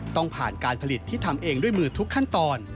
ต้องผ่านการผลิตที่ทำเองด้วยมือทุกขั้นตอน